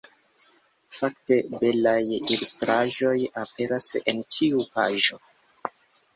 Fakte, belaj ilustraĵoj aperas en ĉiu paĝo.